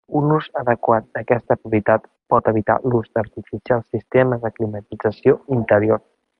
Un ús adequat d'aquesta propietat pot evitar l'ús d'artificials sistemes de climatització interior.